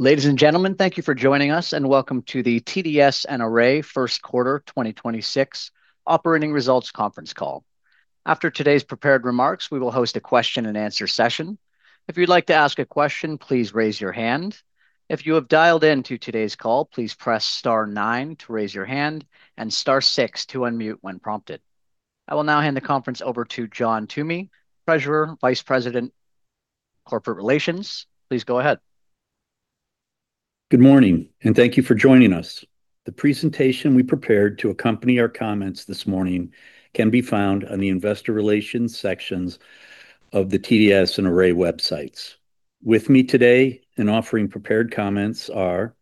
Ladies and gentlemen, thank you for joining us and Welcome to the TDS and Array First Quarter 2026 Operating Results Conference Call. After today's prepared remarks, we will host a question-and-answer session. If you'd like to ask a question, please raise your hand. If you have dialed into today's call, please press star nine to raise your hand and star six to unmute when prompted. I will now hand the conference over to John Toomey, Treasurer and Vice President of Corporate Relations. Please go ahead. Good morning, and thank you for joining us. The presentation we prepared to accompany our comments this morning can be found on the investor relations sections of the TDS and Array websites. With me today and offering prepared comments are,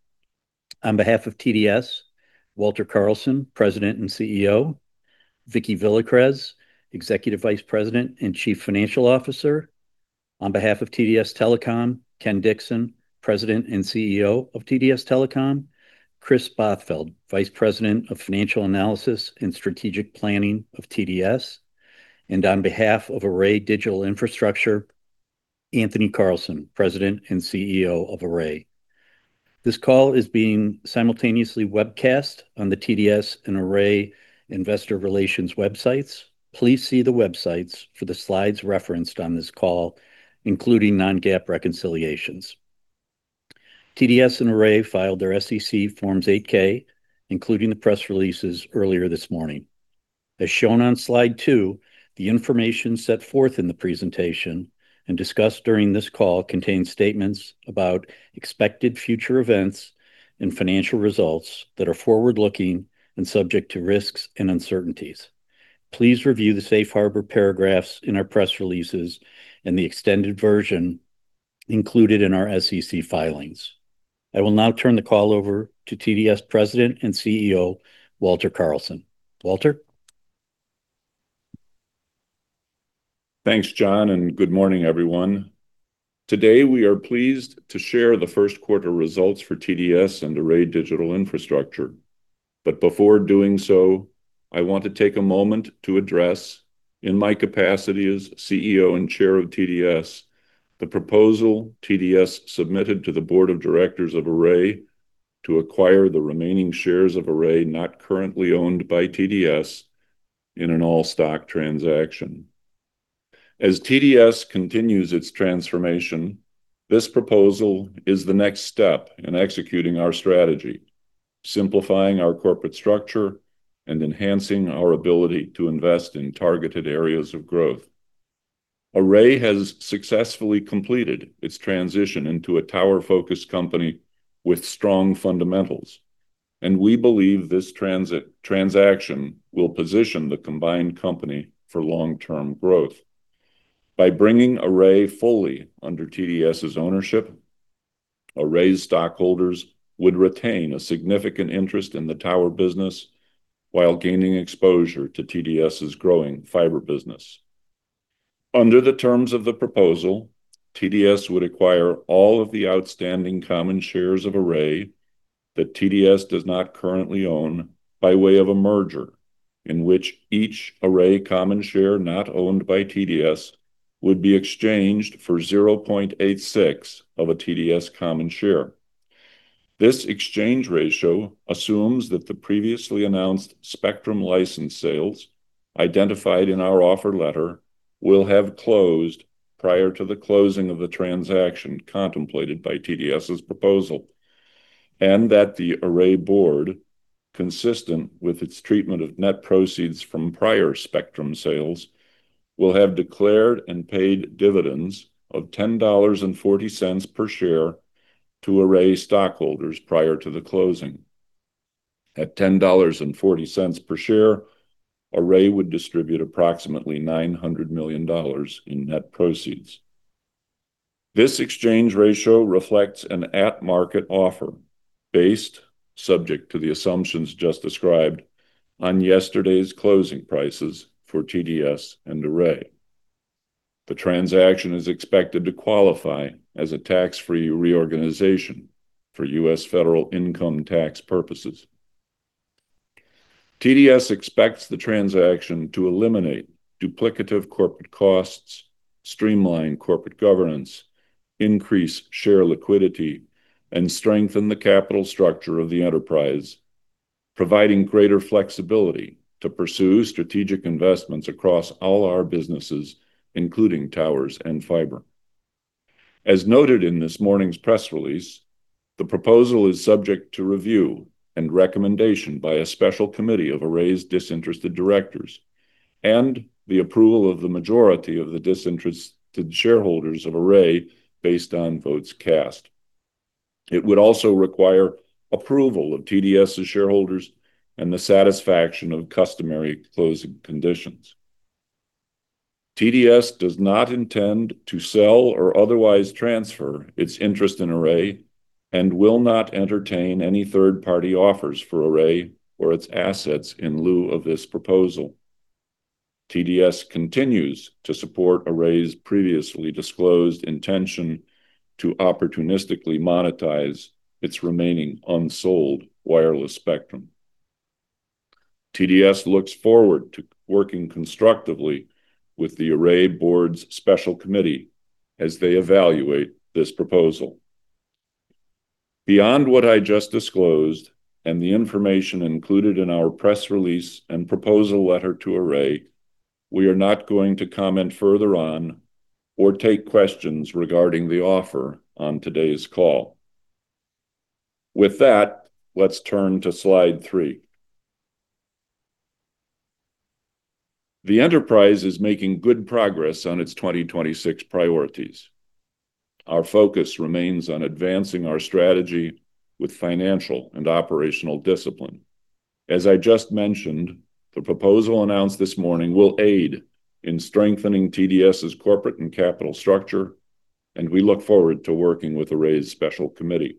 on behalf of TDS, Walter Carlson, President and CEO, Vicki Villacrez, Executive Vice President and Chief Financial Officer. On behalf of TDS Telecom, Ken Dixon, President and CEO of TDS Telecom, Kris Bothfeld, Vice President of Financial Analysis and Strategic Planning of TDS. On behalf of Array Digital Infrastructure, Anthony Carlson, President and CEO of Array. This call is being simultaneously webcast on the TDS and Array investor relations websites. Please see the websites for the slides referenced on this call, including non-GAAP reconciliations. TDS and Array filed their SEC Form 8-K, including the press releases earlier this morning. As shown on slide two, the information set forth in the presentation and discussed during this call contains statements about expected future events and financial results that are forward-looking and subject to risks and uncertainties. Please review the safe harbor paragraphs in our press releases and the extended version included in our SEC filings. I will now turn the call over to TDS President and CEO, Walter Carlson. Walter? Thanks, John, Good morning, everyone. Today, we are pleased to share the first quarter results for TDS and Array Digital Infrastructure. Before doing so, I want to take a moment to address, in my capacity as CEO and Chair of TDS, the proposal TDS submitted to the Board of Directors of Array to acquire the remaining shares of Array not currently owned by TDS in an all-stock transaction. As TDS continues its transformation, this proposal is the next step in executing our strategy, simplifying our corporate structure and enhancing our ability to invest in targeted areas of growth. Array has successfully completed its transition into a tower-focused company with strong fundamentals, and we believe this transaction will position the combined company for long-term growth. By bringing Array fully under TDS's ownership, Array stockholders would retain a significant interest in the tower business while gaining exposure to TDS's growing fiber business. Under the terms of the proposal, TDS would acquire all of the outstanding common shares of Array that TDS does not currently own by way of a merger, in which each Array common share not owned by TDS would be exchanged for 0.86 of a TDS common share. This exchange ratio assumes that the previously announced spectrum license sales identified in our offer letter will have closed prior to the closing of the transaction contemplated by TDS's proposal, and that the Array board, consistent with its treatment of net proceeds from prior spectrum sales, will have declared and paid dividends of $10.40 per share to Array stockholders prior to the closing. At $10.40 per share, Array would distribute approximately $900 million in net proceeds. This exchange ratio reflects an at-market offer based, subject to the assumptions just described, on yesterday's closing prices for TDS and Array. The transaction is expected to qualify as a tax-free reorganization for U.S. federal income tax purposes. TDS expects the transaction to eliminate duplicative corporate costs, streamline corporate governance, increase share liquidity, and strengthen the capital structure of the enterprise, providing greater flexibility to pursue strategic investments across all our businesses, including towers and fiber. As noted in this morning's press release, the proposal is subject to review and recommendation by a special committee of Array's disinterested directors and the approval of the majority of the disinterested shareholders of Array based on votes cast. It would also require approval of TDS's shareholders and the satisfaction of customary closing conditions. TDS does not intend to sell or otherwise transfer its interest in Array and will not entertain any third-party offers for Array or its assets in lieu of this proposal. TDS continues to support Array's previously disclosed intention to opportunistically monetize its remaining unsold wireless spectrum. TDS looks forward to working constructively with the Array Board's special committee as they evaluate this proposal. Beyond what I just disclosed, and the information included in our press release and proposal letter to Array, we are not going to comment further on or take questions regarding the offer on today's call. With that, let's turn to slide three. The enterprise is making good progress on its 2026 priorities. Our focus remains on advancing our strategy with financial and operational discipline. As I just mentioned, the proposal announced this morning will aid in strengthening TDS's corporate and capital structure, and we look forward to working with Array's special committee.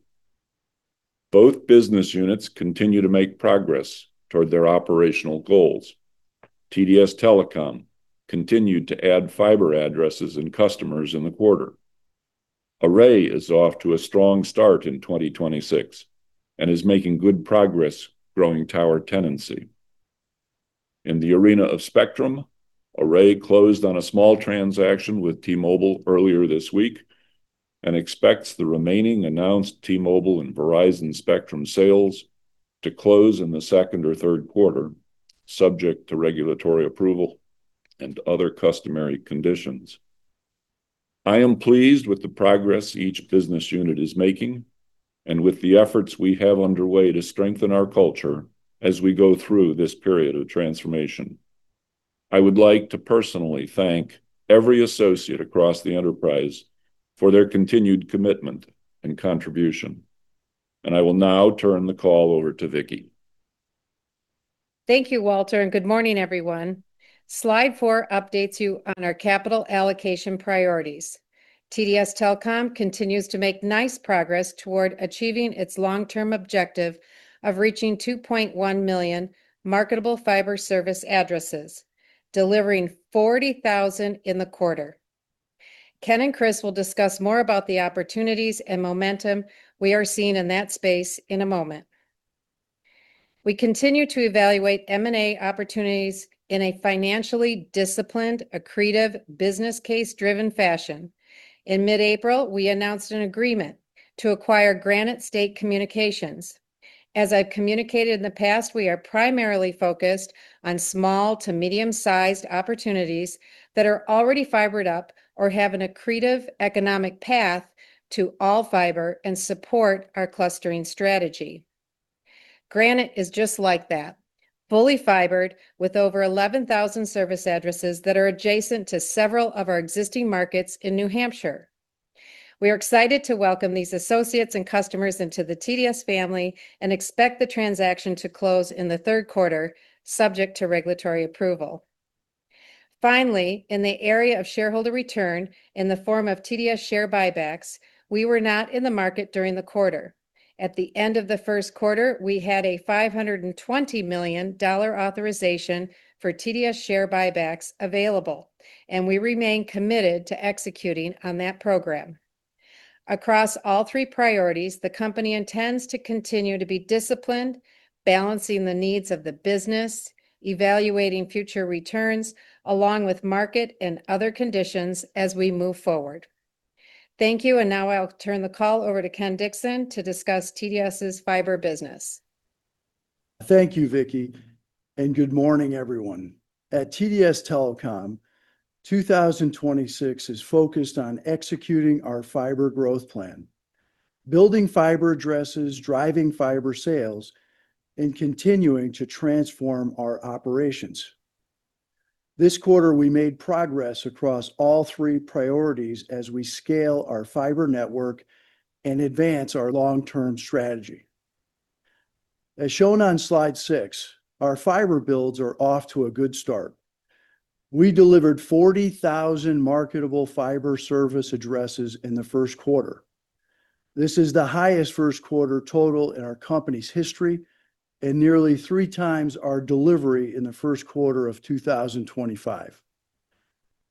Both business units continue to make progress toward their operational goals. TDS Telecom continued to add fiber addresses and customers in the quarter. Array is off to a strong start in 2026, and is making good progress growing tower tenancy. In the arena of spectrum, Array closed on a small transaction with T-Mobile earlier this week, and expects the remaining announced T-Mobile and Verizon spectrum sales to close in the second or third quarter, subject to regulatory approval and other customary conditions. I am pleased with the progress each business unit is making, and with the efforts we have underway to strengthen our culture as we go through this period of transformation. I would like to personally thank every associate across the enterprise for their continued commitment and contribution. I will now turn the call over to Vicki. Thank you, Walter, good morning, everyone. Slide four updates you on our capital allocation priorities. TDS Telecom continues to make nice progress toward achieving its long-term objective of reaching 2.1 million marketable fiber service addresses, delivering 40,000 in the quarter. Ken and Kris will discuss more about the opportunities and momentum we are seeing in that space in a moment. We continue to evaluate M&A opportunities in a financially disciplined, accretive business case-driven fashion. In mid-April, we announced an agreement to acquire Granite State Communications. As I've communicated in the past, we are primarily focused on small to medium-sized opportunities that are already fibered up or have an accretive economic path to all fiber and support our clustering strategy. Granite is just like that, fully fibered with over 11,000 service addresses that are adjacent to several of our existing markets in New Hampshire. We are excited to welcome these associates and customers into the TDS family. Expect the transaction to close in the third quarter, subject to regulatory approval. Finally, in the area of shareholder return in the form of TDS share buybacks, we were not in the market during the quarter. At the end of the first quarter, we had a $520 million authorization for TDS share buybacks available. We remain committed to executing on that program. Across all three priorities, the company intends to continue to be disciplined, balancing the needs of the business, evaluating future returns, along with market and other conditions as we move forward. Thank you. Now I'll turn the call over to Ken Dixon to discuss TDS's fiber business. Thank you, Vicki, and good morning, everyone. At TDS Telecom, 2026 is focused on executing our fiber growth plan, building fiber addresses, driving fiber sales, and continuing to transform our operations. This quarter, we made progress across all three priorities as we scale our fiber network and advance our long-term strategy. As shown on slide six, our fiber builds are off to a good start. We delivered 40,000 marketable fiber service addresses in the first quarter. This is the highest first quarter total in our company's history, and nearly 3x our delivery in the first quarter of 2025.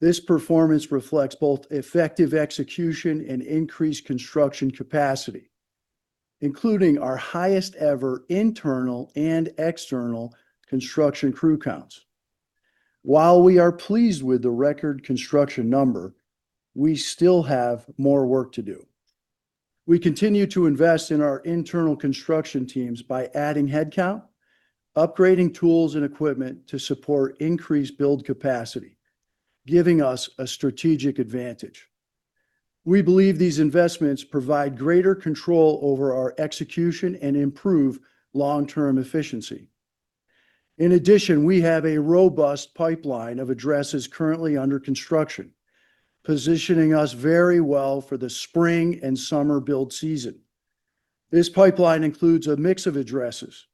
This performance reflects both effective execution and increased construction capacity, including our highest ever internal and external construction crew counts. While we are pleased with the record construction number, we still have more work to do. We continue to invest in our internal construction teams by adding headcount, upgrading tools and equipment to support increased build capacity, giving us a strategic advantage. We believe these investments provide greater control over our execution and improve long-term efficiency. We have a robust pipeline of addresses currently under construction, positioning us very well for the spring and summer build season. This pipeline includes a mix of addresses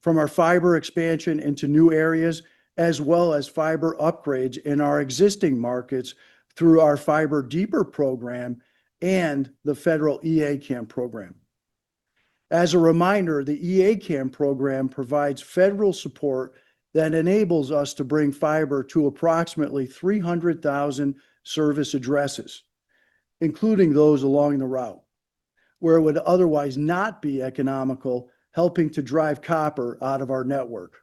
from our fiber expansion into new areas, as well as fiber upgrades in our existing markets through our Fiber Deeper program and the federal E-ACAM program. As a reminder, the E-ACAM program provides federal support that enables us to bring fiber to approximately 300,000 service addresses, including those along the route, where it would otherwise not be economical, helping to drive copper out of our network.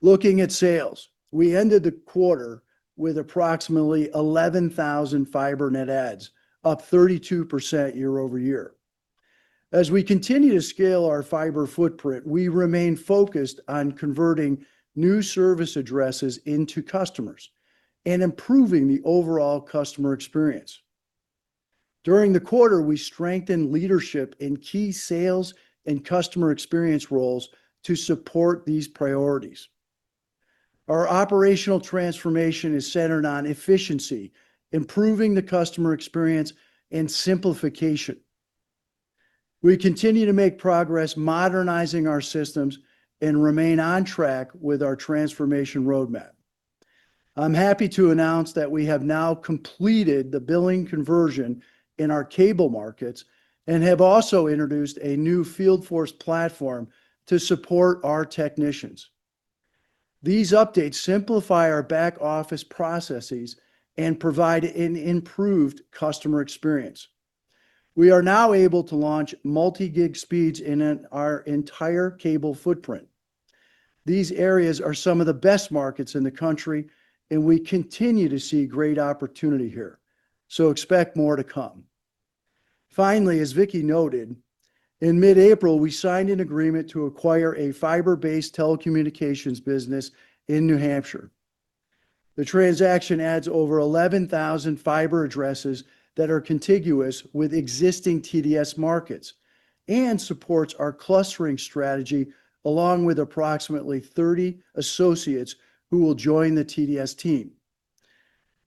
Looking at sales, we ended the quarter with approximately 11,000 fiber net adds, up 32% year-over-year. As we continue to scale our fiber footprint, we remain focused on converting new service addresses into customers and improving the overall customer experience. During the quarter, we strengthened leadership in key sales and customer experience roles to support these priorities. Our operational transformation is centered on efficiency, improving the customer experience, and simplification. We continue to make progress modernizing our systems and remain on track with our transformation roadmap. I'm happy to announce that we have now completed the billing conversion in our cable markets and have also introduced a new field force platform to support our technicians. These updates simplify our back-office processes and provide an improved customer experience. We are now able to launch multi-gig speeds in our entire cable footprint. These areas are some of the best markets in the country, and we continue to see great opportunity here, so expect more to come. Finally, as Vicki noted, in mid-April, we signed an agreement to acquire a fiber-based telecommunications business in New Hampshire. The transaction adds over 11,000 fiber addresses that are contiguous with existing TDS markets and supports our clustering strategy along with approximately 30 associates who will join the TDS team.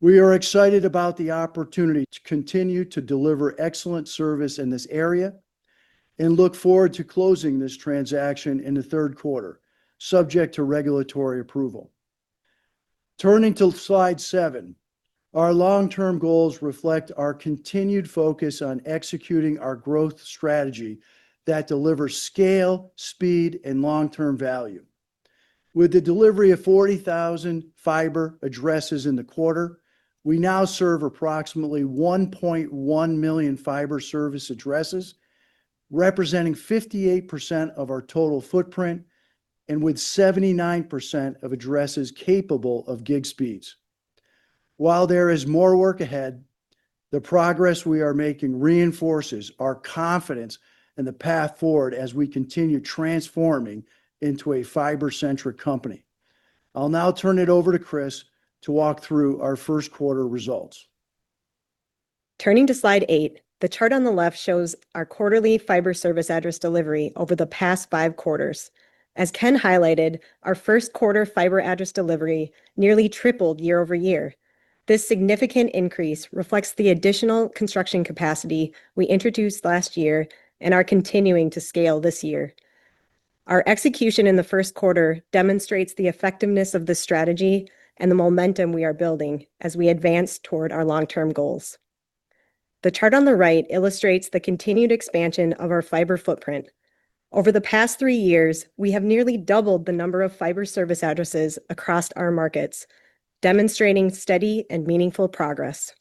We are excited about the opportunity to continue to deliver excellent service in this area and look forward to closing this transaction in the third quarter, subject to regulatory approval. Turning to slide seven, our long-term goals reflect our continued focus on executing our growth strategy that delivers scale, speed, and long-term value. With the delivery of 40,000 fiber addresses in the quarter, we now serve approximately 1.1 million fiber service addresses, representing 58% of our total footprint and with 79% of addresses capable of gig speeds. While there is more work ahead, the progress we are making reinforces our confidence in the path forward as we continue transforming into a fiber-centric company. I'll now turn it over to Kris to walk through our first quarter results. Turning to slide eight, the chart on the left shows our quarterly fiber service address delivery over the past five quarters. As Ken highlighted, our first quarter fiber address delivery nearly tripled year-over-year. This significant increase reflects the additional construction capacity we introduced last year and are continuing to scale this year. Our execution in the first quarter demonstrates the effectiveness of the strategy and the momentum we are building as we advance toward our long-term goals. The chart on the right illustrates the continued expansion of our fiber footprint. Over the past three years, we have nearly doubled the number of fiber service addresses across our markets, demonstrating steady and meaningful progress.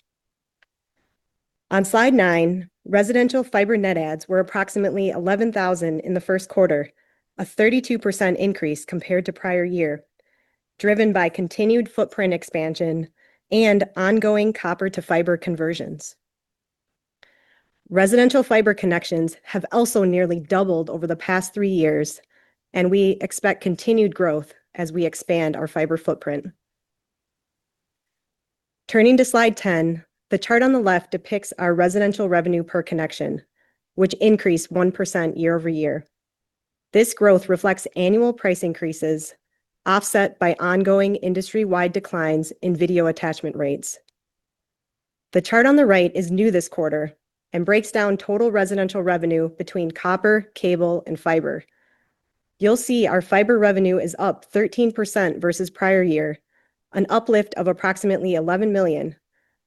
On slide nine, residential fiber net adds were approximately 11,000 in the first quarter, a 32% increase compared to prior year, driven by continued footprint expansion and ongoing copper-to-fiber conversions. Residential fiber connections have also nearly doubled over the past three years. We expect continued growth as we expand our fiber footprint. Turning to slide 10, the chart on the left depicts our residential revenue per connection, which increased 1% year-over-year. This growth reflects annual price increases offset by ongoing industry-wide declines in video attachment rates. The chart on the right is new this quarter and breaks down total residential revenue between copper, cable, and fiber. You'll see our fiber revenue is up 13% versus prior year, an uplift of approximately $11 million,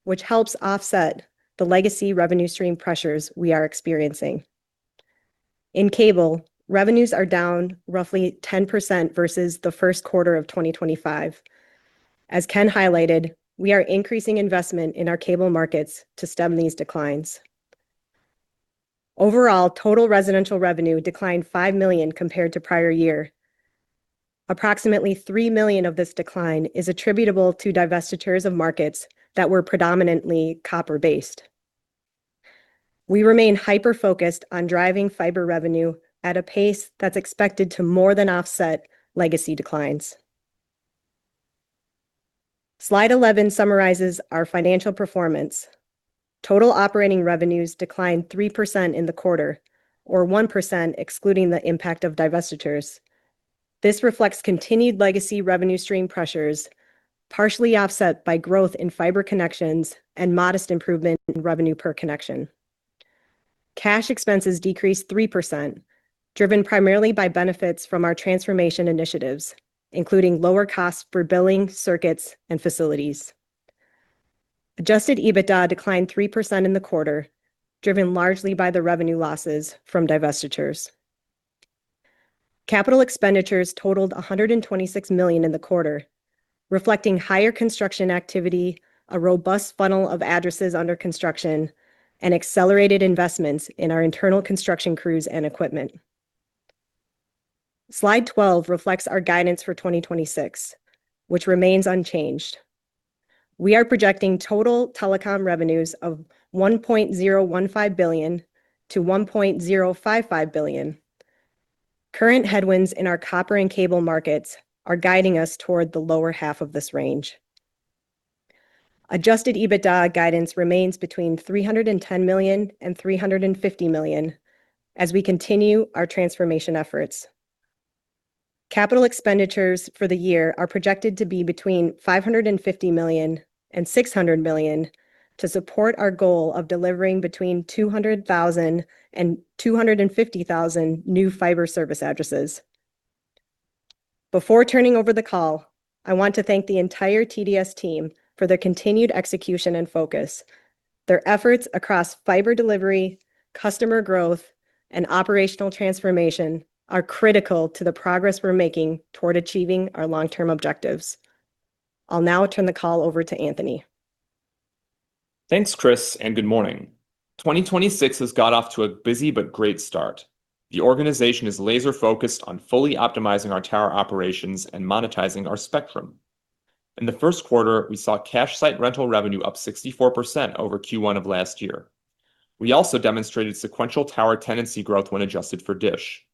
which helps offset the legacy revenue stream pressures we are experiencing. In cable, revenues are down roughly 10% versus the first quarter of 2025. As Ken highlighted, we are increasing investment in our cable markets to stem these declines. Overall, total residential revenue declined $5 million compared to prior year. Approximately 3 million of this decline is attributable to divestitures of markets that were predominantly copper-based. We remain hyper-focused on driving fiber revenue at a pace that's expected to more than offset legacy declines. Slide 11 summarizes our financial performance. Total operating revenues declined 3% in the quarter or 1% excluding the impact of divestitures. This reflects continued legacy revenue stream pressures, partially offset by growth in fiber connections and modest improvement in revenue per connection. Cash expenses decreased 3%, driven primarily by benefits from our transformation initiatives, including lower costs for billing, circuits, and facilities. Adjusted EBITDA declined 3% in the quarter, driven largely by the revenue losses from divestitures. Capital expenditures totaled $126 million in the quarter, reflecting higher construction activity, a robust funnel of addresses under construction, and accelerated investments in our internal construction crews and equipment. Slide 12 reflects our guidance for 2026, which remains unchanged. We are projecting total telecom revenues of $1.015 billion-$1.055 billion. Current headwinds in our copper and cable markets are guiding us toward the lower half of this range. Adjusted EBITDA guidance remains between $310 million and $350 million as we continue our transformation efforts. Capital expenditures for the year are projected to be between $550 million and $600 million to support our goal of delivering between 200,000 and 250,000 new fiber service addresses. Before turning over the call, I want to thank the entire TDS team for their continued execution and focus. Their efforts across fiber delivery, customer growth, and operational transformation are critical to the progress we're making toward achieving our long-term objectives. I'll now turn the call over to Anthony. Thanks, Kris, and good morning. 2026 has got off to a busy but great start. The organization is laser-focused on fully optimizing our tower operations and monetizing our spectrum. In the first quarter, we saw cash site rental revenue up 64% over Q1 of last year. We also demonstrated sequential tower tenancy growth when adjusted for DISH,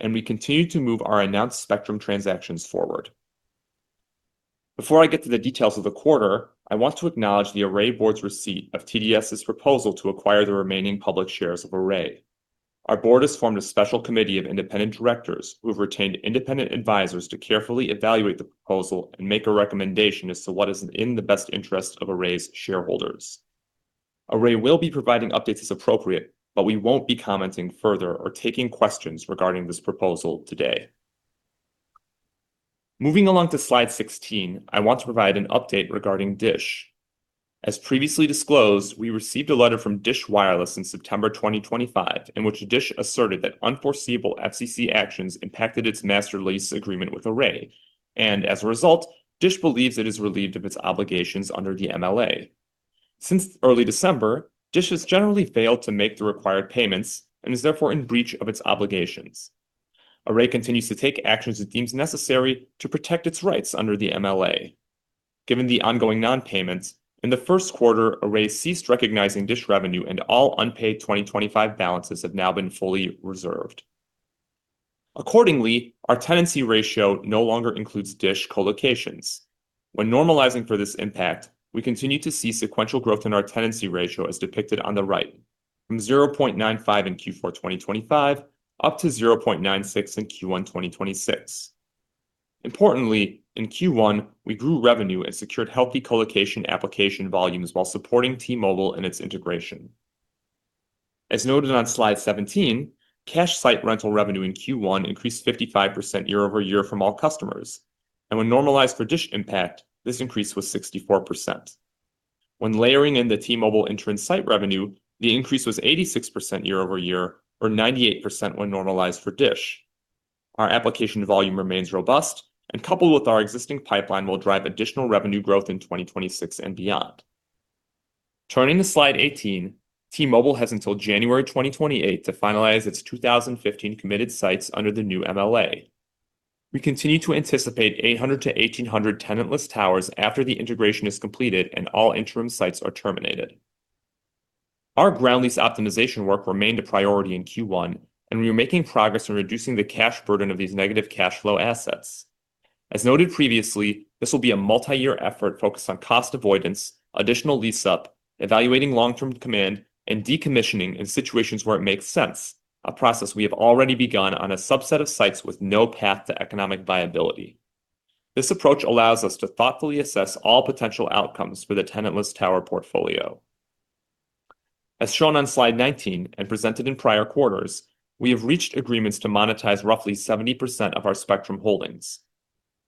and we continue to move our announced spectrum transactions forward. Before I get to the details of the quarter, I want to acknowledge the Array board's receipt of TDS's proposal to acquire the remaining public shares of Array. Our board has formed a special committee of independent directors who have retained independent advisors to carefully evaluate the proposal and make a recommendation as to what is in the best interest of Array's shareholders. Array will be providing updates as appropriate, but we won't be commenting further or taking questions regarding this proposal today. Moving along to slide 16, I want to provide an update regarding DISH. As previously disclosed, we received a letter from DISH Wireless in September 2025, in which DISH asserted that unforeseeable FCC actions impacted its master lease agreement with Array. As a result, DISH believes it is relieved of its obligations under the MLA. Since early December, DISH has generally failed to make the required payments and is therefore in breach of its obligations. Array continues to take actions it deems necessary to protect its rights under the MLA. Given the ongoing non-payments, in the first quarter, Array ceased recognizing DISH revenue, and all unpaid 2025 balances have now been fully reserved. Accordingly, our tenancy ratio no longer includes DISH co-locations. When normalizing for this impact, we continue to see sequential growth in our tenancy ratio as depicted on the right, from 0.95 in Q4 2025 up to 0.96 in Q1 2026. Importantly, in Q1, we grew revenue and secured healthy colocation application volumes while supporting T-Mobile and its integration. As noted on slide 17, cash site rental revenue in Q1 increased 55% year-over-year from all customers, and when normalized for DISH impact, this increase was 64%. When layering in the T-Mobile interim site revenue, the increase was 86% year-over-year or 98% when normalized for DISH. Our application volume remains robust and coupled with our existing pipeline will drive additional revenue growth in 2026 and beyond. Turning to slide 18, T-Mobile has until January 2028 to finalize its 2015 committed sites under the new MLA. We continue to anticipate 800-1,800 tenantless towers after the integration is completed and all interim sites are terminated. Our ground lease optimization work remained a priority in Q1, and we are making progress in reducing the cash burden of these negative cash flow assets. As noted previously, this will be a multi-year effort focused on cost avoidance, additional lease-up, evaluating long-term demand, and decommissioning in situations where it makes sense, a process we have already begun on a subset of sites with no path to economic viability. This approach allows us to thoughtfully assess all potential outcomes for the tenantless tower portfolio. As shown on slide 19 and presented in prior quarters, we have reached agreements to monetize roughly 70% of our spectrum holdings.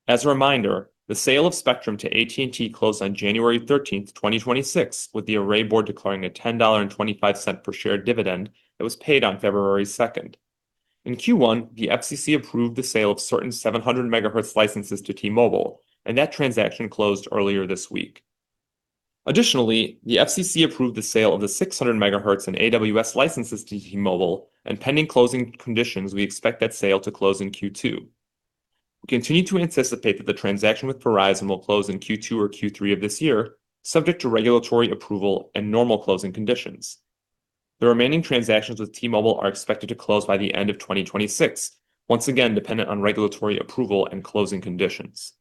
As a reminder, the sale of spectrum to AT&T closed on January 13th, 2026, with the Array board declaring a $10.25 per share dividend that was paid on February 2nd. In Q1, the FCC approved the sale of certain 700 MHz licenses to T-Mobile, and that transaction closed earlier this week. Additionally, the FCC approved the sale of the 600 MHz and AWS-3 licenses to T-Mobile, and pending closing conditions, we expect that sale to close in Q2. We continue to anticipate that the transaction with Verizon will close in Q2 or Q3 of this year, subject to regulatory approval and normal closing conditions. The remaining transactions with T-Mobile are expected to close by the end of 2026, once again dependent on regulatory approval and closing conditions.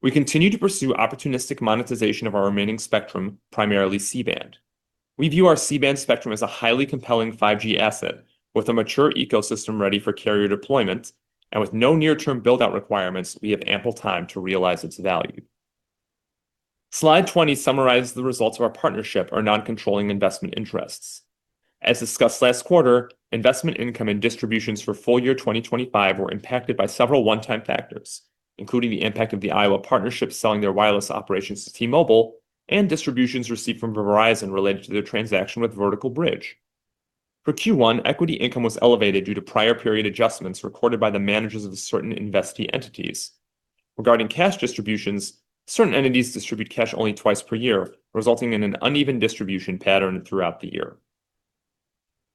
We continue to pursue opportunistic monetization of our remaining spectrum, primarily C-band. We view our C-band spectrum as a highly compelling 5G asset with a mature ecosystem ready for carrier deployment. With no near term build out requirements, we have ample time to realize its value. Slide 20 summarizes the results of our partnership, our non-controlling investment interests. As discussed last quarter, investment income and distributions for full year 2025 were impacted by several one-time factors, including the impact of the Iowa partnership selling their wireless operations to T-Mobile and distributions received from Verizon related to their transaction with Vertical Bridge. For Q1, equity income was elevated due to prior period adjustments recorded by the managers of certain investee entities. Regarding cash distributions, certain entities distribute cash only twice per year, resulting in an uneven distribution pattern throughout the year.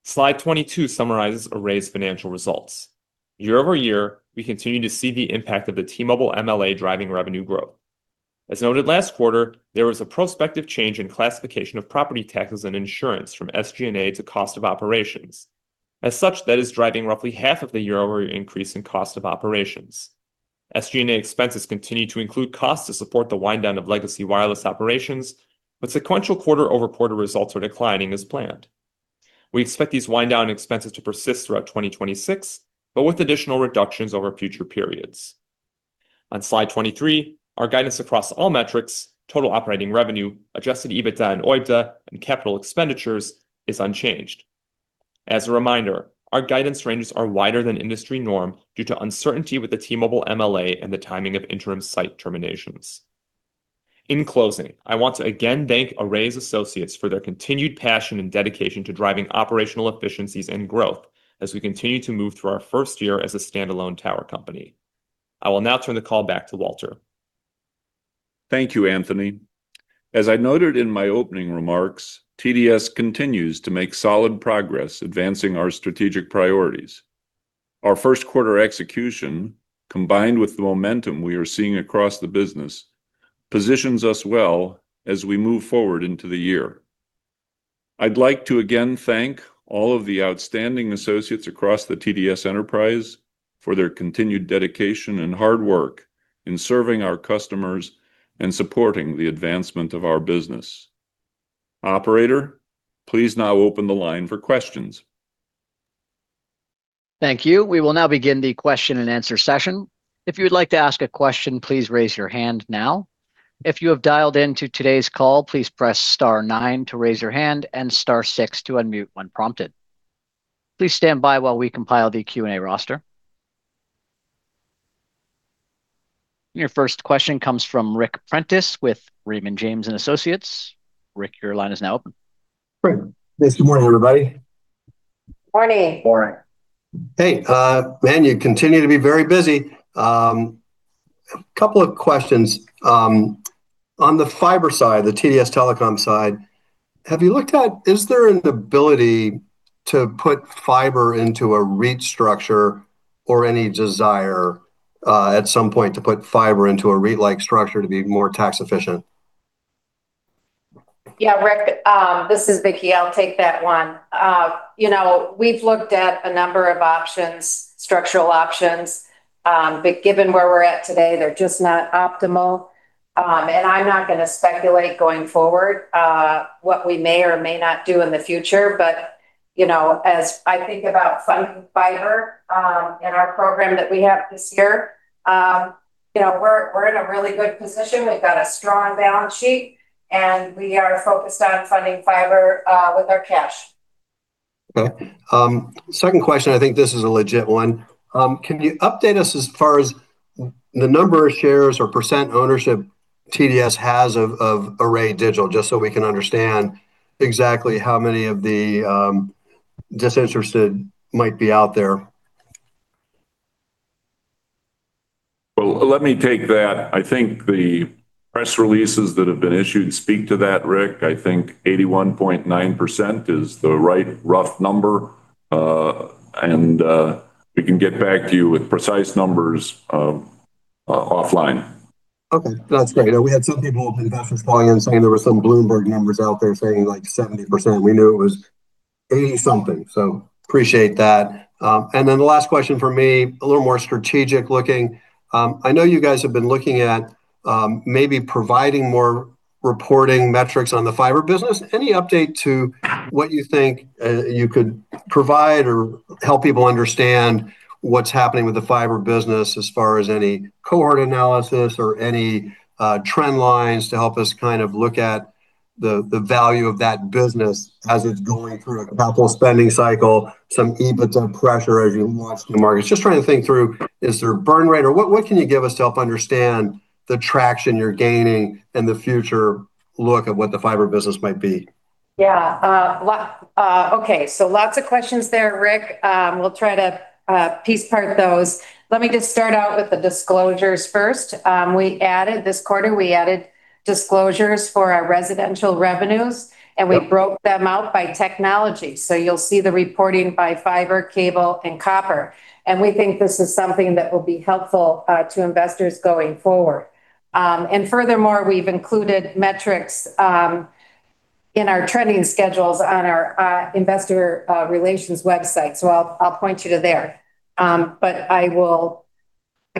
Slide 22 summarizes Array's financial results. Year-over-year, we continue to see the impact of the T-Mobile MLA driving revenue growth. As noted last quarter, there was a prospective change in classification of property taxes and insurance from SG&A to cost of operations. That is driving roughly half of the year-over-year increase in cost of operations. SG&A expenses continue to include costs to support the wind down of legacy wireless operations, but sequential quarter-over-quarter results are declining as planned. We expect these wind down expenses to persist throughout 2026, but with additional reductions over future periods. On slide 23, our guidance across all metrics, total operating revenue, adjusted EBITDA and OIBDA and capital expenditures is unchanged. As a reminder, our guidance ranges are wider than industry norm due to uncertainty with the T-Mobile MLA and the timing of interim site terminations. In closing, I want to again thank Array's associates for their continued passion and dedication to driving operational efficiencies and growth as we continue to move through our first year as a standalone tower company. I will now turn the call back to Walter. Thank you, Anthony. As I noted in my opening remarks, TDS continues to make solid progress advancing our strategic priorities. Our first quarter execution, combined with the momentum we are seeing across the business, positions us well as we move forward into the year. I'd like to again thank all of the outstanding associates across the TDS enterprise for their continued dedication and hard work in serving our customers and supporting the advancement of our business. Operator, please now open the line for questions. Thank you. We will now begin the question-and-answer session. If you would like to ask a question, please raise your hand now. If you have dialed in to today's call, please press star nine to raise your hand and star six to unmute when prompted. Please stand by while we compile the Q&A roster. Your first question comes from Ric Prentiss with Raymond James & Associates. Ric, your line is now open. Great. Yes, good morning, everybody. Morning. Morning. Hey, man, you continue to be very busy. A couple of questions. On the fiber side, the TDS Telecom side, have you looked at is there an ability to put fiber into a REIT structure or any desire, at some point to put fiber into a REIT-like structure to be more tax efficient? Yeah. Ric, this is Vicki. I'll take that one. you know, we've looked at a number of options, structural options, but given where we're at today, they're just not optimal. I'm not gonna speculate going forward, what we may or may not do in the future. you know, as I think about funding fiber, in our program that we have this year, you know, we're in a really good position. We've got a strong balance sheet, and we are focused on funding fiber with our cash. Okay. Second question, I think this is a legit one. Can you update us as far as the number of shares or percent ownership TDS has of Array Digital, just so we can understand exactly how many of the disinterested might be out there? Well, let me take that. I think the press releases that have been issued speak to that, Ric. I think 81.9% is the right rough number. We can get back to you with precise numbers offline. Okay. That's great. You know, we had some people, investors calling in saying there were some Bloomberg numbers out there saying like 70%. We knew it was 80% something, so appreciate that. The last question from me, a little more strategic looking. I know you guys have been looking at maybe providing more reporting metrics on the fiber business. Any update to what you think you could provide or help people understand what's happening with the fiber business as far as any cohort analysis or any trend lines to help us kind of look at the value of that business as it's going through a capital spending cycle, some EBITDA pressure as you launch the markets? Just trying to think through, is there a burn rate or what can you give us to help understand the traction you're gaining and the future look of what the fiber business might be? Okay. Lots of questions there, Ric. We'll try to piece part those. Let me just start out with the disclosures first. This quarter, we added disclosures for our residential revenues, and we broke them out by technology. You'll see the reporting by fiber, cable, and copper. We think this is something that will be helpful to investors going forward. Furthermore, we've included metrics in our trending schedules on our investor relations website. I'll point you to there. I will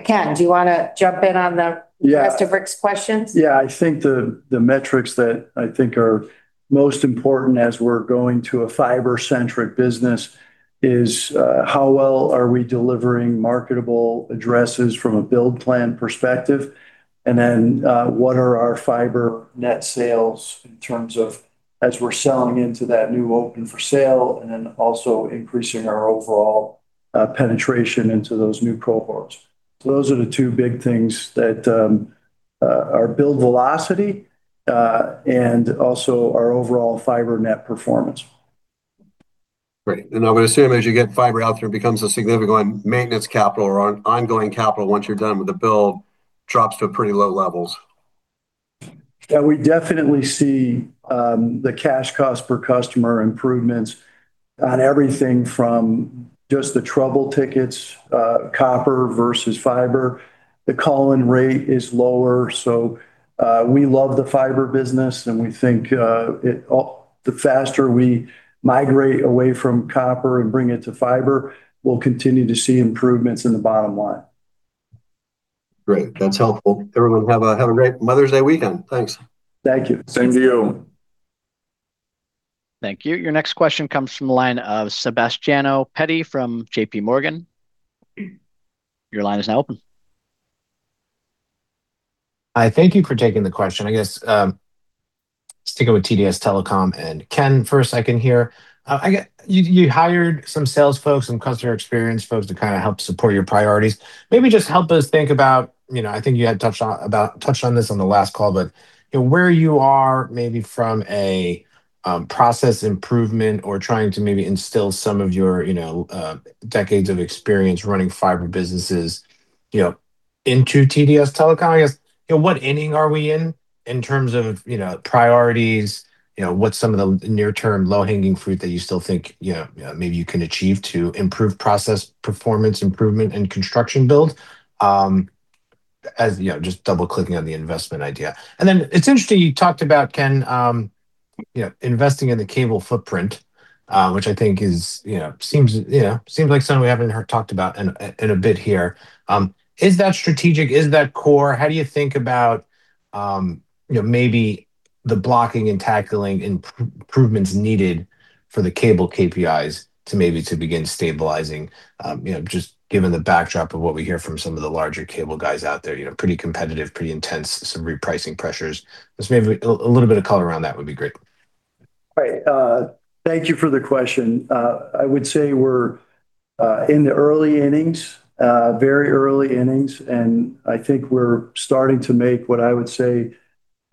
Ken, do you want to jump in on the? Yeah. Rest of Ric's questions? Yeah. I think the metrics that I think are most important as we're going to a fiber-centric business is how well are we delivering marketable addresses from a build plan perspective, and then what are our fiber net sales in terms of as we're selling into that new open for sale and then also increasing our overall penetration into those new cohorts. Those are the two big things that our build velocity and also our overall fiber net performance. Great. I would assume as you get fiber out there, it becomes a significant maintenance capital or an ongoing capital once you're done with the build, drops to pretty low levels. We definitely see the cash cost per customer improvements on everything from just the trouble tickets, copper versus fiber. The call-in rate is lower. We love the fiber business. We think the faster we migrate away from copper and bring it to fiber, we'll continue to see improvements in the bottom line. Great. That's helpful. Everyone, have a great Mother's Day weekend. Thanks. Thank you. Same to you. Thank you. Your next question comes from the line of Sebastiano Petti from JPMorgan. Your line is now open. Hi. Thank you for taking the question. Sticking with TDS Telecom, Ken, first I can hear. You hired some sales folks and customer experience folks to kind of help support your priorities. Maybe just help us think about, you know, I think you had touched on this on the last call, but, you know, where you are maybe from a process improvement or trying to maybe instill some of your, you know, decades of experience running fiber businesses, you know, into TDS Telecom. What inning are we in terms of, you know, priorities? You know, what's some of the near-term low-hanging fruit that you still think, you know, maybe you can achieve to improve process performance improvement and construction build? As, you know, just double-clicking on the investment idea. It's interesting you talked about, Ken, you know, investing in the cable footprint, which I think is, you know, seems, you know, seems like something we haven't heard talked about in a, in a bit here. Is that strategic? Is that core? How do you think about, you know, maybe the blocking and tackling improvements needed for the cable KPIs to maybe to begin stabilizing, you know, just given the backdrop of what we hear from some of the larger cable guys out there, you know, pretty competitive, pretty intense, some repricing pressures. Just maybe a little bit of color around that would be great. Right. Thank you for the question. I would say we're in the early innings, very early innings, and I think we're starting to make what I would say,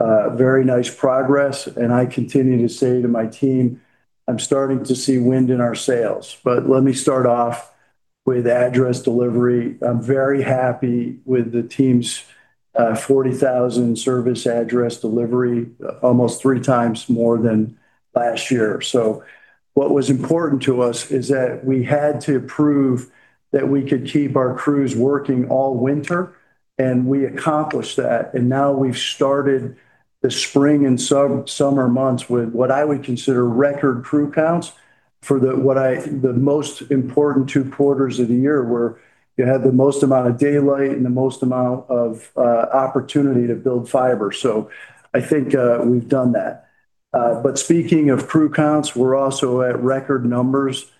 very nice progress. I continue to say to my team, "I'm starting to see wind in our sails." Let me start off with address delivery. I'm very happy with the team's 40,000 service address delivery, almost three times more than last year. What was important to us is that we had to prove that we could keep our crews working all winter, and we accomplished that. Now we've started the spring and summer months with what I would consider record crew counts for the most important two quarters of the year, where you have the most amount of daylight and the most amount of opportunity to build fiber. I think we've done that. Speaking of crew counts, we're also at record numbers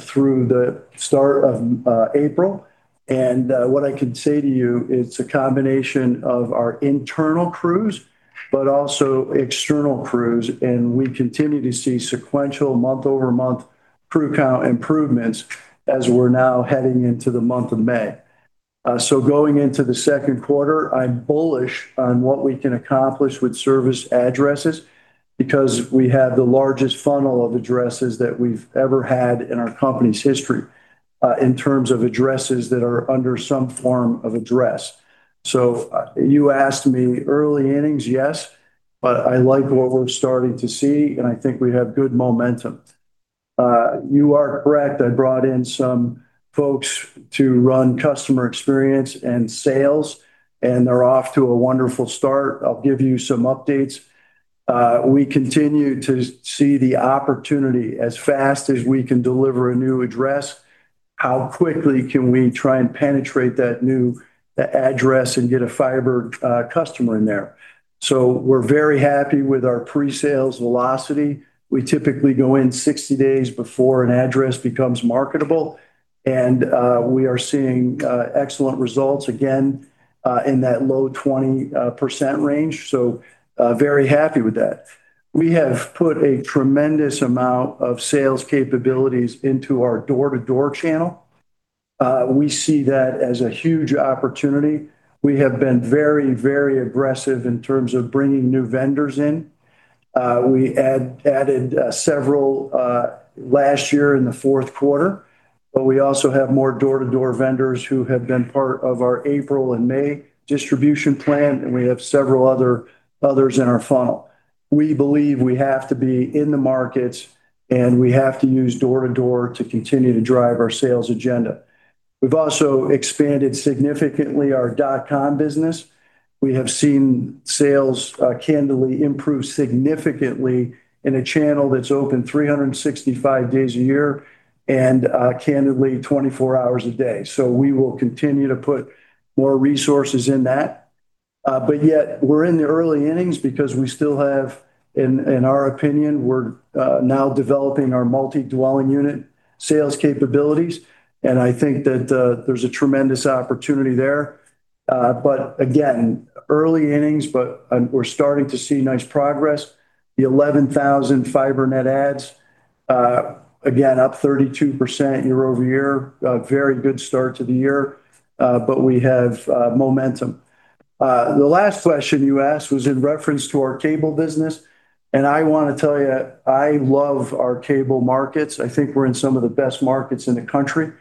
through the start of April. What I can say to you, it's a combination of our internal crews, but also external crews, and we continue to see sequential month-over-month crew count improvements as we're now heading into the month of May. Going into the second quarter, I'm bullish on what we can accomplish with service addresses because we have the largest funnel of addresses that we've ever had in our company's history, in terms of addresses that are under some form of address. You asked me early innings, yes, but I like what we're starting to see, and I think we have good momentum. You are correct. I brought in some folks to run customer experience and sales, and they're off to a wonderful start. I'll give you some updates. We continue to see the opportunity as fast as we can deliver a new address, how quickly can we try and penetrate that new address and get a fiber customer in there. We're very happy with our pre-sales velocity. We typically go in 60 days before an address becomes marketable. We are seeing excellent results again in that low 20% range. Very happy with that. We have put a tremendous amount of sales capabilities into our door-to-door channel. We see that as a huge opportunity. We have been very, very aggressive in terms of bringing new vendors in. We added several last year in the fourth quarter. We also have more door-to-door vendors who have been part of our April and May distribution plan. We have several other, others in our funnel. We believe we have to be in the markets. We have to use door-to-door to continue to drive our sales agenda. We've also expanded significantly our dotcom business. We have seen sales, candidly improve significantly in a channel that's open 365 days a year and, candidly, 24 hours a day. We will continue to put more resources in that. Yet we're in the early innings because we still have, in our opinion, we're now developing our multi-dwelling unit sales capabilities, and I think that there's a tremendous opportunity there. Again, early innings, but we're starting to see nice progress. The 11,000 fiber net adds-again, up 32% year-over-year. A very good start to the year, but we have momentum. The last question you asked was in reference to our cable business, and I wanna tell you, I love our cable markets. I think we're in some of the best markets in the country.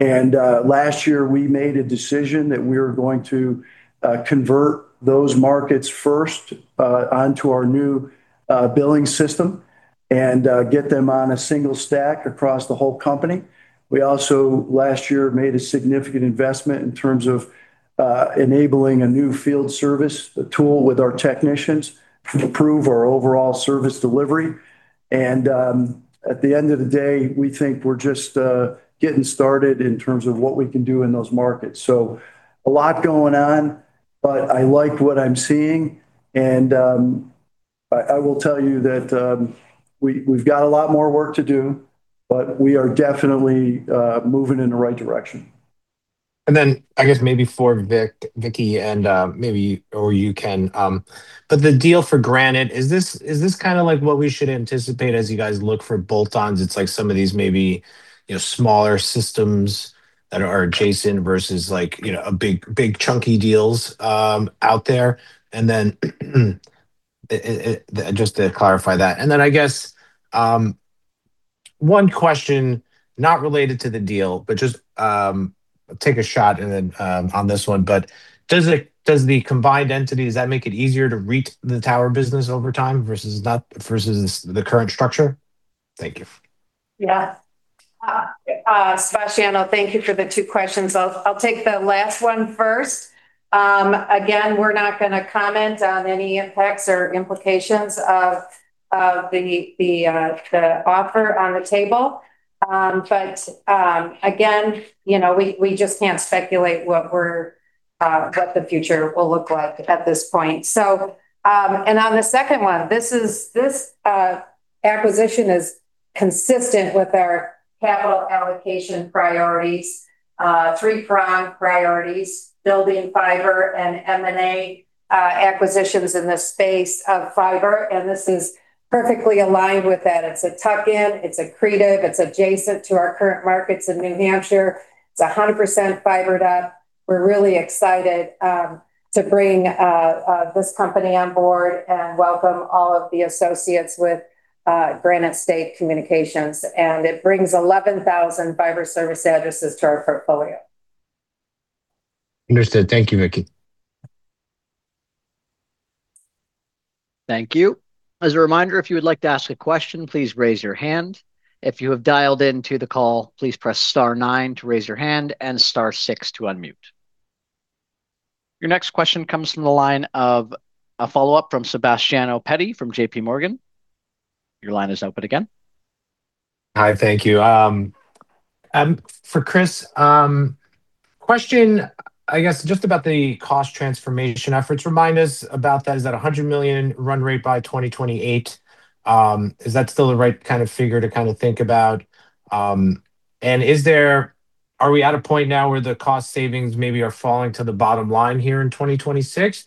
Last year we made a decision that we're going to convert those markets first onto our new billing system and get them on a one stack across the whole company. We also, last year, made a significant investment in terms of enabling a new field service tool with our technicians to improve our overall service delivery. At the end of the day, we think we're just getting started in terms of what we can do in those markets. A lot going on, but I like what I'm seeing. I will tell you that we've got a lot more work to do, but we are definitely moving in the right direction. Maybe for Vicki, the deal for Granite, is this kind of what we should anticipate as you guys look for bolt-ons, some of these maybe, you know, smaller systems that are adjacent versus a big chunky deals out there? Just to clarify that. One question not related to the deal, but just take a shot on this one. Does the combined entity, does that make it easier to reach the tower business over time versus not, versus the current structure? Thank you. Sebastiano, thank you for the two questions. I'll take the last one first. Again, we're not gonna comment on any impacts or implications of the offer on the table. Again, you know, we just can't speculate what the future will look like at this point. On the second one, this acquisition is consistent with our capital allocation priorities, three-prong priorities, building fiber and M&A, acquisitions in the space of fiber, and this is perfectly aligned with that. It's a tuck-in, it's accretive, it's adjacent to our current markets in New Hampshire. It's 100% fibered up. We're really excited to bring this company on board and welcome all of the associates with Granite State Communications, and it brings 11,000 fiber service addresses to our portfolio. Understood. Thank you, Vicki. Thank you. Your next question comes from the line of a follow-up from Sebastiano Petti from JPMorgan. Hi. Thank you. For Kris, question, I guess, just about the cost transformation efforts. Remind us about that. Is that a $100 million run rate by 2028? Is that still the right kind of figure to kinda think about? Are we at a point now where the cost savings maybe are falling to the bottom line here in 2026?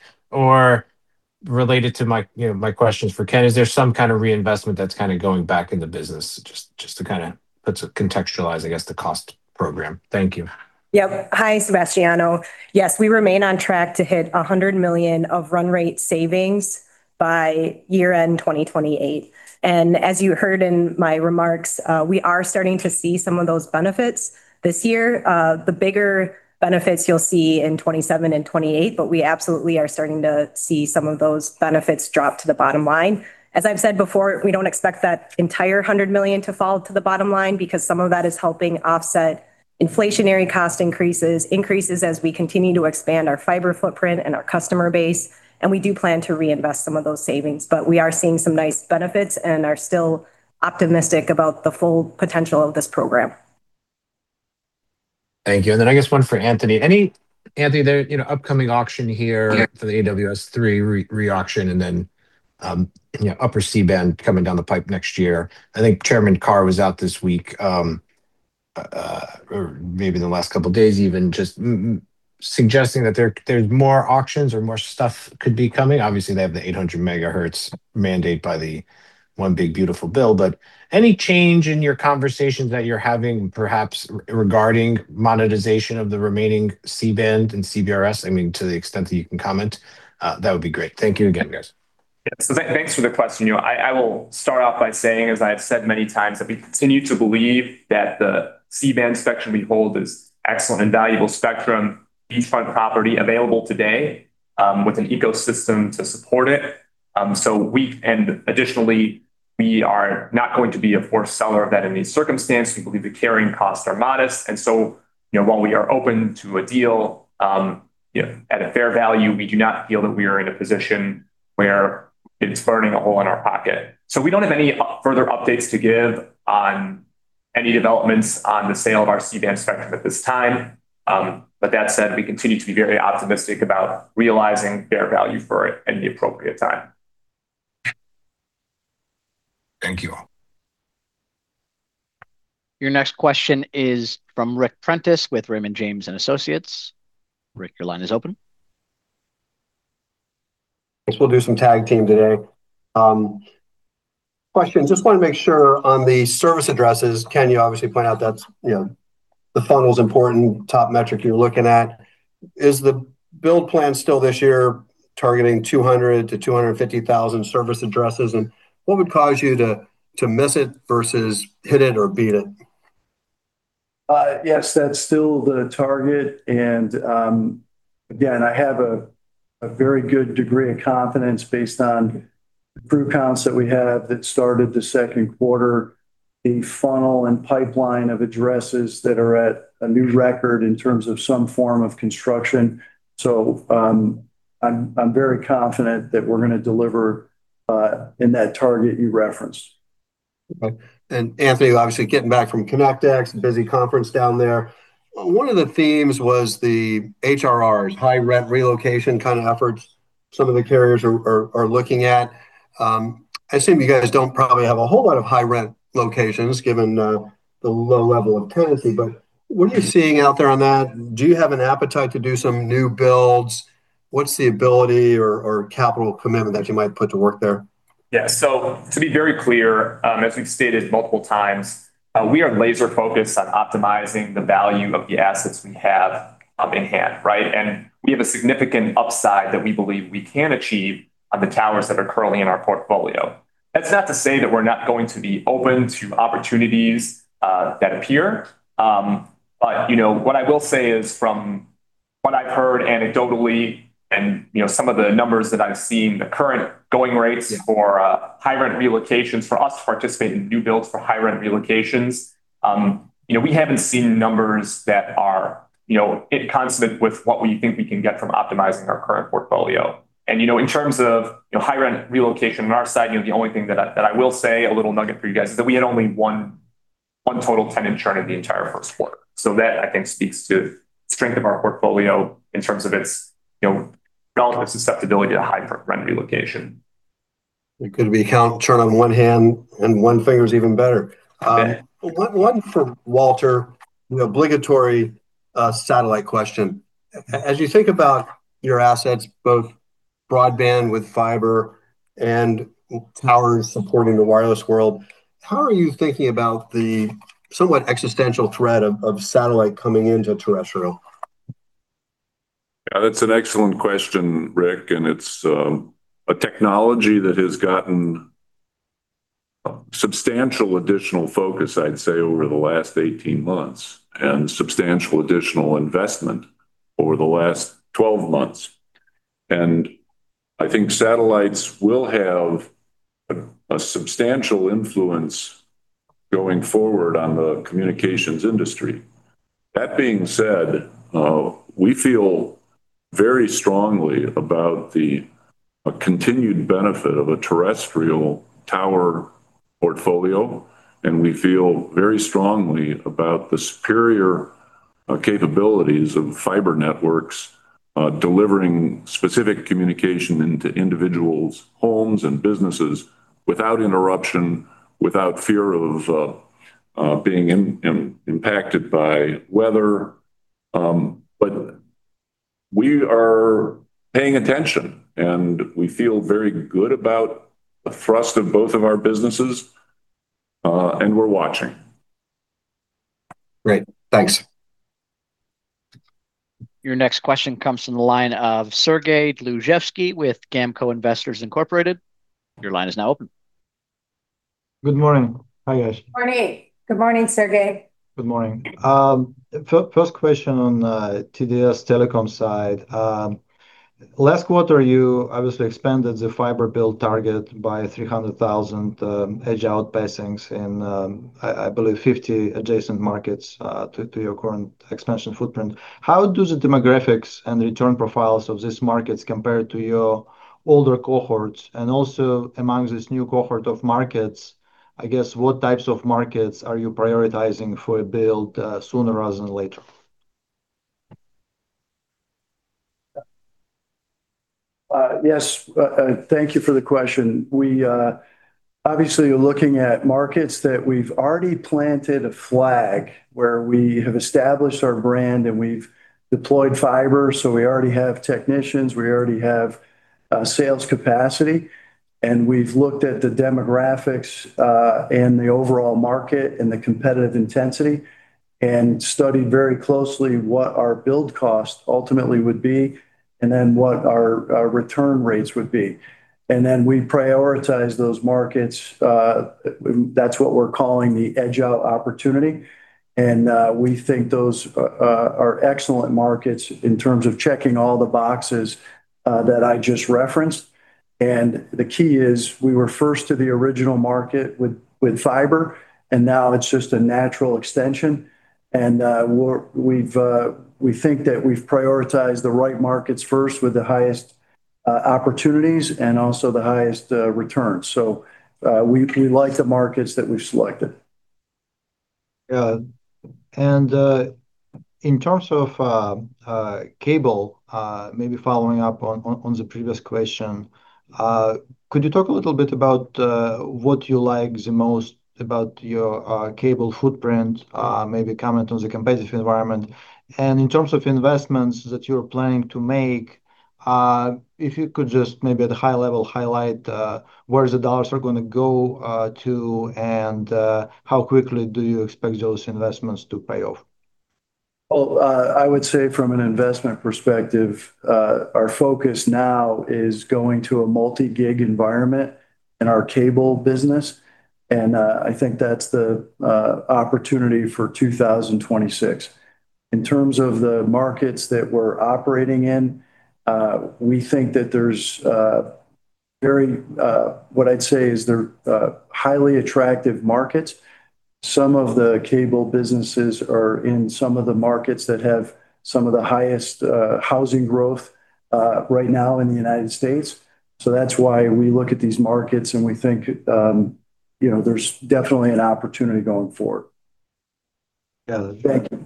Related to my, you know, my questions for Ken, is there some kind of reinvestment that's kinda going back in the business just contextualize, I guess, the cost program. Thank you. Yep. Hi, Sebastiano. Yes, we remain on track to hit $100 million of run rate savings by year-end 2028. As you heard in my remarks, we are starting to see some of those benefits this year. The bigger benefits you'll see in 2027 and 2028, we absolutely are starting to see some of those benefits drop to the bottom line. As I've said before, we don't expect that entire $100 million to fall to the bottom line because some of that is helping offset inflationary cost increases as we continue to expand our fiber footprint and our customer base, we do plan to reinvest some of those savings. We are seeing some nice benefits and are still optimistic about the full potential of this program. Thank you. Then I guess one for Anthony. Anthony, you know, upcoming auction here? Yeah. For the AWS-3 re-auction, you know, upper C-band coming down the pipe next year. I think Brendan Carr was out this week or maybe in the last couple of days even just suggesting that there's more auctions or more stuff could be coming. Obviously, they have the 800 MHz mandate by the one big beautiful bill. Any change in your conversations that you're having perhaps regarding monetization of the remaining C-band and CBRS? I mean, to the extent that you can comment, that would be great. Thank you again, guys. Thanks for the question. You know, I will start off by saying, as I have said many times, that we continue to believe that the C-band spectrum we hold is excellent and valuable spectrum, beachfront property available today, with an ecosystem to support it. Additionally, we are not going to be a core seller of that in this circumstance. We believe the carrying costs are modest. You know, while we are open to a deal, you know, at a fair value, we do not feel that we are in a position where it's burning a hole in our pocket. We don't have any further updates to give on any developments on the sale of our C-band spectrum at this time. That said, we continue to be very optimistic about realizing their value for it in the appropriate time. Thank you. Your next question is from Ric Prentiss with Raymond James & Associates. Ric, your line is open. Guess we'll do some tag team today. Question, just want to make sure on the service addresses, Ken, you obviously point out that's, you know, the funnel's important top metric you're looking at. Is the build plan still this year targeting 200-250,000 service addresses? What would cause you to miss it versus hit it or beat it? Yes, that's still the target. Again, I have a very good degree of confidence based on group counts that we have that started the second quarter, the funnel and pipeline of addresses that are at a new record in terms of some form of construction. I'm very confident that we're gonna deliver in that target you referenced. Okay. Anthony, obviously getting back from Connect (X), a busy conference down there. One of the themes was the HRRs, high rent relocation kind of efforts some of the carriers are looking at. I assume you guys don't probably have a whole lot of high rent locations given the low level of tenancy, but what are you seeing out there on that? Do you have an appetite to do some new builds? What's the ability or capital commitment that you might put to work there? Yeah. To be very clear, as we've stated multiple times, we are laser focused on optimizing the value of the assets we have in hand, right? We have a significant upside that we believe we can achieve on the towers that are currently in our portfolio. That's not to say that we're not going to be open to opportunities that appear. You know, what I will say is from what I've heard anecdotally and, you know, some of the numbers that I've seen, the current going rates for high rent relocations for us to participate in new builds for high rent relocations, you know, we haven't seen numbers that are, you know, in consonant with what we think we can get from optimizing our current portfolio. You know, in terms of, you know, high rent relocation on our side, you know, the only thing that I will say, a little nugget for you guys, is that we had only one total tenant churn in the entire first quarter. That I think speaks to strength of our portfolio in terms of its, you know, relative susceptibility to high rent relocation. It could be count, churn on one hand and one finger's even better. Yeah. One for Walter, the obligatory satellite question. As you think about your assets, both broadband with fiber and towers supporting the wireless world, how are you thinking about the somewhat existential threat of satellite coming into terrestrial? Yeah, that's an excellent question, Ric, it's a technology that has gotten substantial additional focus, I'd say, over the last 18 months, and substantial additional investment over the last 12 months. I think satellites will have a substantial influence going forward on the communications industry. That being said, we feel very strongly about the continued benefit of a terrestrial tower portfolio, and we feel very strongly about the superior capabilities of fiber networks, delivering specific communication into individuals' homes and businesses without interruption, without fear of being impacted by weather. We are paying attention, and we feel very good about the thrust of both of our businesses, and we're watching. Great. Thanks. Your next question comes from the line of Sergey Dluzhevskiy with GAMCO Investors, Incorporated. Your line is now open. Good morning. Hi, guys. Morning. Good morning, Sergey. Good morning. First question on TDS Telecom side. Last quarter you obviously expanded the fiber build target by 300,000 edge out passings in, I believe 50 adjacent markets to your current expansion footprint. How do the demographics and return profiles of these markets compare to your older cohorts? Also among this new cohort of markets, I guess, what types of markets are you prioritizing for a build sooner rather than later? Yes. Thank you for the question. We obviously are looking at markets that we've already planted a flag, where we have established our brand and we've deployed fiber, so we already have technicians, we already have sales capacity. We've looked at the demographics and the overall market and the competitive intensity, and studied very closely what our build cost ultimately would be and then what our return rates would be. We prioritize those markets. That's what we're calling the edge out opportunity. We think those are excellent markets in terms of checking all the boxes that I just referenced. The key is we were first to the original market with fiber, and now it's just a natural extension. We think that we've prioritized the right markets first with the highest opportunities and also the highest returns. We like the markets that we've selected. Yeah. In terms of cable, maybe following up on the previous question, could you talk a little bit about what you like the most about your cable footprint? Maybe comment on the competitive environment. In terms of investments that you're planning to make, if you could just maybe at a high level highlight where the dollars are gonna go to, and how quickly do you expect those investments to pay off? I would say from an investment perspective, our focus now is going to a multi-gig environment in our cable business, I think that's the opportunity for 2026. In terms of the markets that we're operating in, we think that there's what I'd say is they're highly attractive markets. Some of the cable businesses are in some of the markets that have some of the highest housing growth right now in the U.S. That's why we look at these markets and we think, you know, there's definitely an opportunity going forward. Yeah. Thank you.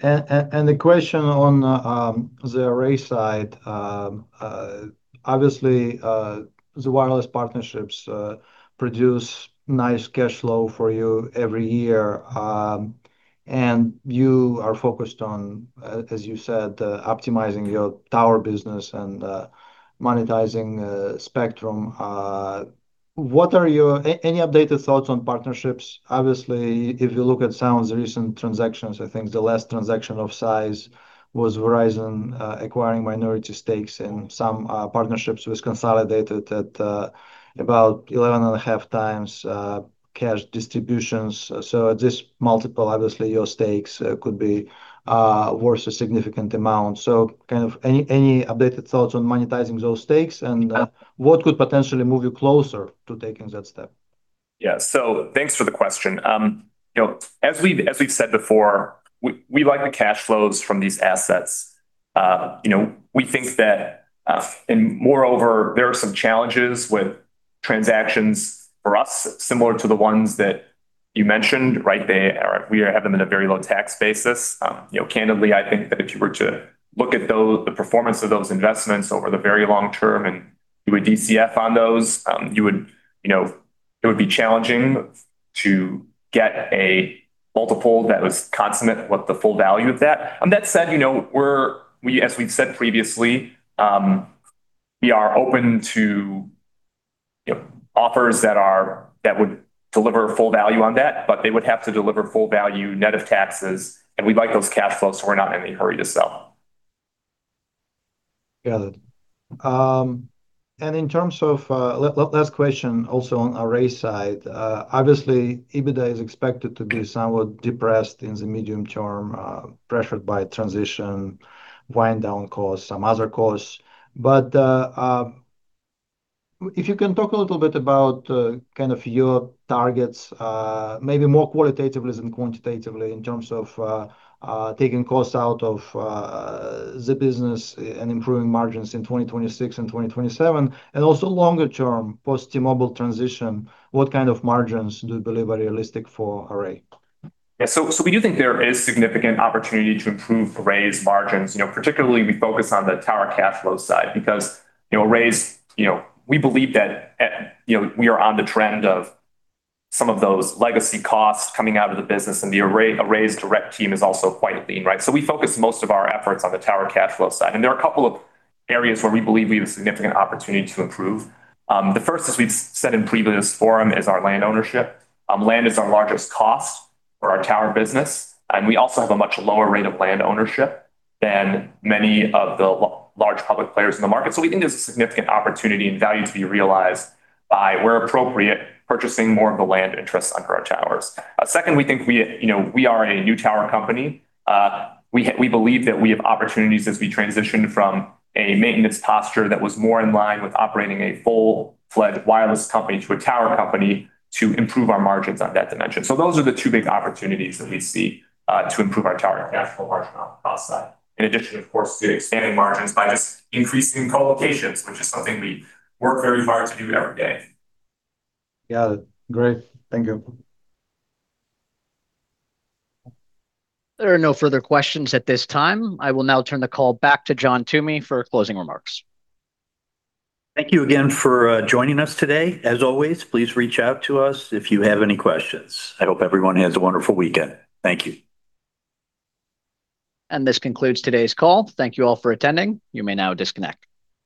The question on the Array side, obviously, the wireless partnerships produce nice cash flow for you every year. You are focused on, as you said, optimizing your tower business and monetizing spectrum. Any updated thoughts on partnerships? Obviously, if you look at Crown's recent transactions, I think the last transaction of size was Verizon acquiring minority stakes and some partnerships was consolidated at about 11.5x cash distributions. At this multiple, obviously, your stakes could be worth a significant amount. Any updated thoughts on monetizing those stakes? Yeah. What could potentially move you closer to taking that step? Yeah. Thanks for the question. you know, as we've said before, we like the cash flows from these assets. you know, we think that, moreover, there are some challenges with transactions for us similar to the ones that you mentioned, right? We have them in a very low tax basis. you know, candidly, I think that if you were to look at the performance of those investments over the very long term and do a DCF on those, you know, it would be challenging to get a multiple that was commensurate with the full value of that. That said, you know, as we've said previously, we are open to, you know, offers that would deliver full value on that. They would have to deliver full value net of taxes, and we'd like those cash flows. We're not in any hurry to sell. Got it. In terms of, Last question also on Array side. Obviously, EBITDA is expected to be somewhat depressed in the medium term, pressured by transition, wind down costs, some other costs. If you can talk a little bit about kind of your targets, maybe more qualitatively than quantitatively in terms of taking costs out of the business and improving margins in 2026 and 2027, and also longer term post T-Mobile transition, what kind of margins do you believe are realistic for Array? We do think there is significant opportunity to improve Array's margins. Particularly we focus on the tower cash flow side because Array's, we believe that we are on the trend of some of those legacy costs coming out of the business and Array's direct team is also quite lean, right? We focus most of our efforts on the tower cash flow side, and there are a couple of areas where we believe we have a significant opportunity to improve. The first, as we've said in previous forum, is our land ownership. Land is our largest cost for our tower business, and we also have a much lower rate of land ownership than many of the large public players in the market. We think there's a significant opportunity and value to be realized by, where appropriate, purchasing more of the land interests under our towers. Second, we think, you know, we are a new tower company. We believe that we have opportunities as we transition from a maintenance posture that was more in line with operating a full-fledged wireless company to a tower company to improve our margins on that dimension. Those are the two big opportunities that we see to improve our tower cash flow margin on cost side. In addition, of course, to expanding margins by just increasing co-locations, which is something we work very hard to do every day. Yeah. Great. Thank you. There are no further questions at this time. I will now turn the call back to John Toomey for closing remarks. Thank you again for joining us today. As always, please reach out to us if you have any questions. I hope everyone has a wonderful weekend. Thank you. This concludes today's call. Thank you all for attending. You may now disconnect.